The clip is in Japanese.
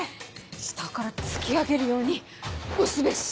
下から突き上げるように押すべし！